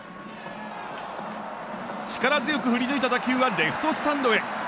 力強く振り抜いた打球はレフトスタンドへ。